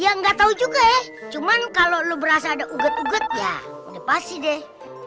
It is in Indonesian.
ya nggak tau juga ya cuman kalo lo berasa ada ugut ugut ya udah pasti deh